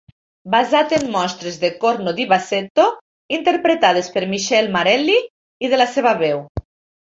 Basat en mostres de "corno di bassetto", interpretades per Michele Marelli, i de la seva veu.